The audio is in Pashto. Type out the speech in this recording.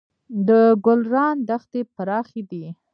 د ګلران دښتې پراخې دي